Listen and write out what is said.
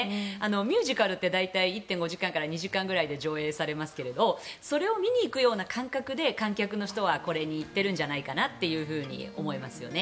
ミュージカルって大体１．５時間から２時間くらいで上映されますけれどそれを見に行くような感覚で観客の人はこれに行ってるんじゃないかなと思いますよね。